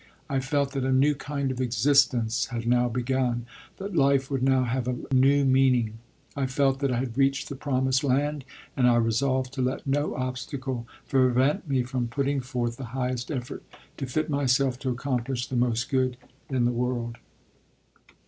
I felt that a new kind of existence had now begun that life would now have a new meaning. I felt that I had reached the promised land, and I resolved to let no obstacle prevent me from putting forth the highest effort to fit myself to accomplish the most good in the world.